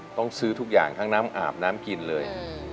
ต้องซื้อทุกอย่างทั้งน้ำอาบน้ำกินเลย